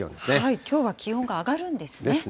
きょうは気温が上がるんですね。ですね。